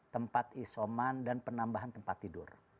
tempat isoman dan penambahan tempat tidur